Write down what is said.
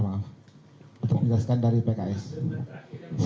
untuk menjelaskan dari pks